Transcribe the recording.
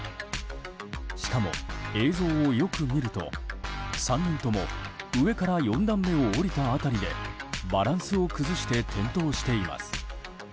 しかも、映像をよく見ると３人とも上から４段目を下りた辺りでバランスを崩して転倒しています。